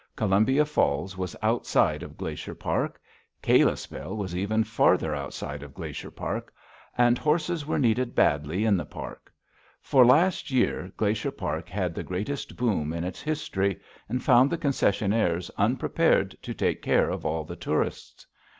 Columbia Falls was outside of Glacier Park. Kalispell was even farther outside of Glacier Park, and horses were needed badly in the Park. For last year Glacier Park had the greatest boom in its history and found the concessionnaires unprepared to take care of all the tourists.